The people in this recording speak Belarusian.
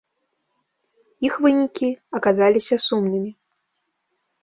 Іх вынікі аказаліся сумнымі.